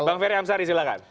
bang ferry hamsari silakan